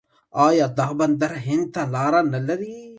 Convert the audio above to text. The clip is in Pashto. آیا دا بندر هند ته لاره نلري؟